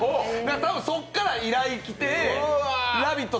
多分そこから依頼が来て「ラヴィット！」